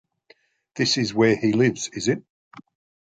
This is where he lives, is it?